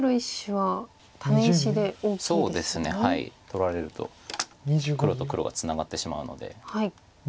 取られると黒と黒がツナがってしまうので。